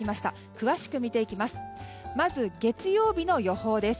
詳しく見ていきます。